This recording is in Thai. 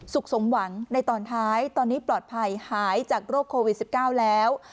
สมหวังในตอนท้ายตอนนี้ปลอดภัยหายจากโรคโควิด๑๙แล้ว